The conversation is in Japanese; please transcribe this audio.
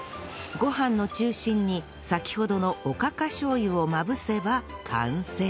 ご飯の中心に先ほどのおかかしょう油をまぶせば完成